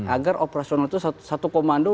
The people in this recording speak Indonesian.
agar operasional itu satu komando